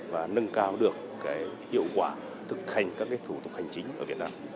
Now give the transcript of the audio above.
và nâng cao được hiệu quả thực hành các thủ tục hành chính ở việt nam